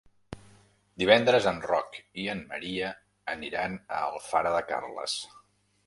Divendres en Roc i en Maria aniran a Alfara de Carles.